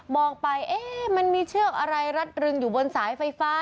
ไปเอ๊ะมันมีเชือกอะไรรัดรึงอยู่บนสายไฟฟ้า